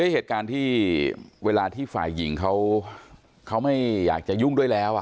เหตุการณ์ที่เวลาที่ฝ่ายหญิงเขาไม่อยากจะยุ่งด้วยแล้ว